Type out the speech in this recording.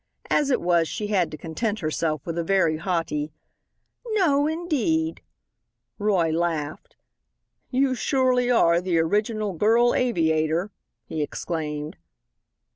As it was she had to content herself with a very haughty, "No, indeed." Roy laughed. "You surely are the original Girl Aviator," he exclaimed.